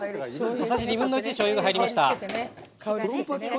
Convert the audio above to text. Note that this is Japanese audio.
小さじ２分の１しょうゆが入りました。